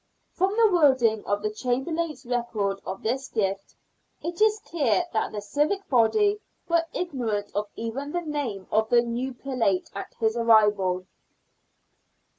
From the wording of the Chamberlain's record of this gift, it is clear that the civic body were ignorant of even the name of the new prelate at his arrival.